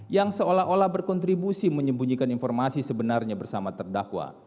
yang seolah olah berkontribusi menyembunyikan informasi sebenarnya bersama terdakwa